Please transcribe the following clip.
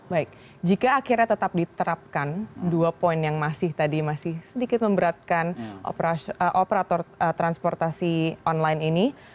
baik jika akhirnya tetap diterapkan dua poin yang masih tadi masih sedikit memberatkan operator transportasi online ini